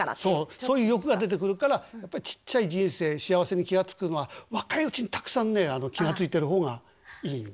そういう欲が出てくるからやっぱりちっちゃい人生幸せに気が付くのは若いうちにたくさんね気が付いてる方がいいの。